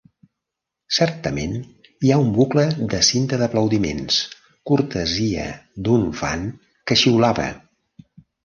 Certament, hi ha un bucle de cinta d'aplaudiments, cortesia d'un fan que xiulava.